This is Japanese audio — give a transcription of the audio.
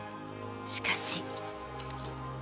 しかし。